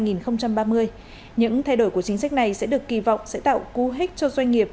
những thay đổi của chính sách này sẽ được kỳ vọng sẽ tạo cú hích cho doanh nghiệp